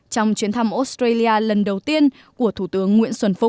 trong chuyến thăm australia lần đầu tiên của thủ tướng nguyễn xuân phúc